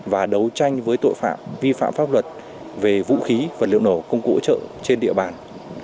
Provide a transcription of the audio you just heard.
và đấu tranh với tội phạm vi phạm pháp luật về vũ khí vật liệu nổ công cụ hỗ trợ trên địa bàn